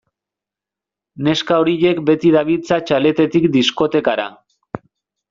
Neska horiek beti dabiltza txaletetik diskotekara.